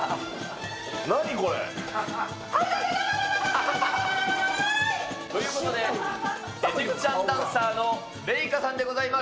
何これ？ということで、エジプシャンダンサーのレイカさんでございます。